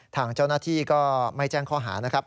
ทางเจ้าหน้าที่ก็ไม่แจ้งข้อหานะครับ